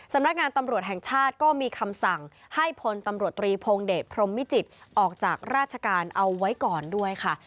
สำนักงานตำรวจแห่งชาติก็มีคำสั่งให้พลตำรวจตรีพงเดชพรมมิจิตรออกจากราชการเอาไว้ก่อนด้วยค่ะ